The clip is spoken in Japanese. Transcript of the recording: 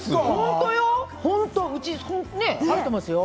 本当よ